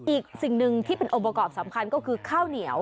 อีกสิ่งหนึ่งที่เป็นองค์ประกอบสำคัญก็คือข้าวเหนียว